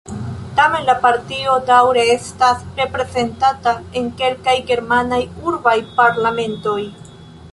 Tamen la partio daŭre estas reprezentata en kelkaj germanaj urbaj parlamentoj.